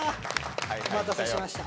お待たせしました。